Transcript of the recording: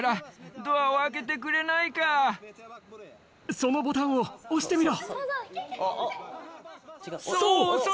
そのボタンを押してみろ。